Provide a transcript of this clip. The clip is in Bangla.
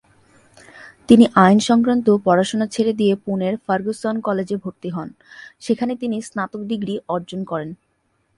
তিনি আইন সংক্রান্ত পড়াশোনা ছেড়ে দিয়ে পুনের ফার্গুসন কলেজে ভর্তি হন, সেখানে তিনি স্নাতক ডিগ্রি অর্জন করেন।